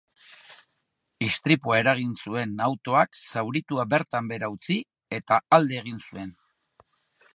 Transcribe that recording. Istripua eragin zuen autoak zauritua bertan behera utzi, eta alde egin zuen.